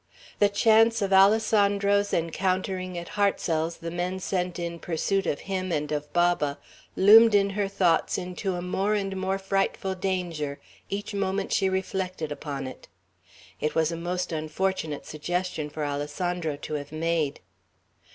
The chance of Alessandro's encountering at Hartsel's the men sent in pursuit of him and of Baba, loomed in her thoughts into a more and more frightful danger each moment she reflected upon it. It was a most unfortunate suggestion for Alessandro to have made.